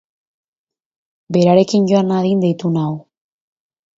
Berarekin joan nadin deitu nau.